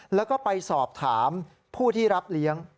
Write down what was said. แล้วก็ไปสอบถามผู้ที่รับเลี้ยง